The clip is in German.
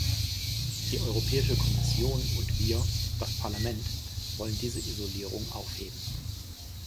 Die Europäische Kommission und wir, das Parlament wollen diese Isolierung aufheben.